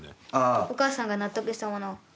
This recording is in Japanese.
お母さんが納得したものを。